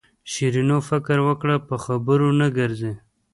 شیرینو فکر وکړ په خبرو نه ګرځي.